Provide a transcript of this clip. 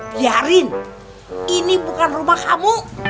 biarin ini bukan rumah kamu